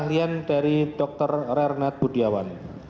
keahlian dari dr rernet budiawan